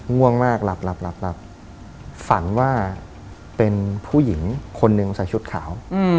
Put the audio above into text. ง่วงมากหลับฝันว่าเป็นผู้หญิงคนหนึ่งใส่ชุดขาว